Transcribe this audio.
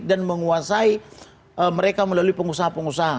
dan menguasai mereka melalui pengusaha pengusaha